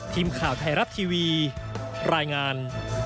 ทีมข่าวไทยรัฐทีวีรายงาน